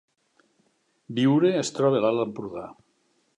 Biure es troba a l’Alt Empordà